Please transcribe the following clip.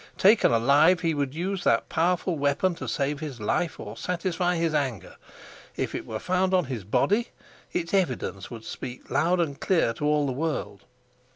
Taken alive, he would use that powerful weapon to save his life or satisfy his anger; if it were found on his body, its evidence would speak loud and clear to all the world.